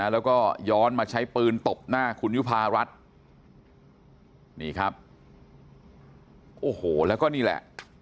แล้วก็ย้อนมาใช้ปืนตบหน้าคุณยุภารัฐนี่ครับโอ้โหแล้วก็นี่แหละ